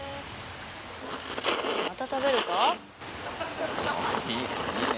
また食べるか？